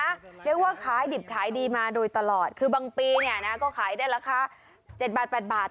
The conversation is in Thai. เรียกว่าขายดิบขายดีมาโดยตลอดคือบางปีเนี่ยนะก็ขายได้ราคา๗บาทแปดบาท